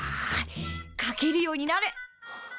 書けるようになれ！